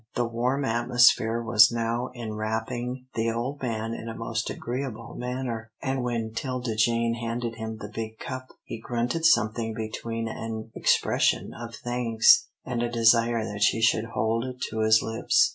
The warm atmosphere was now enwrapping the old man in a most agreeable manner, and when 'Tilda Jane handed him the big cup, he grunted something between an expression of thanks and a desire that she should hold it to his lips.